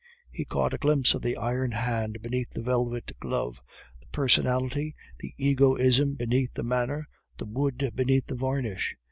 He caught a glimpse of the iron hand beneath the velvet glove the personality, the egoism beneath the manner, the wood beneath the varnish.